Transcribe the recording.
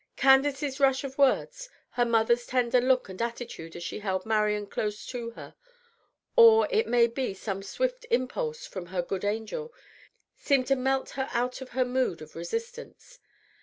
Candace's rush of words, her mother's tender look and attitude as she held Marian close to her, or, it may be, some swift impulse from her good angel, seemed to melt her out of her mood of resistance.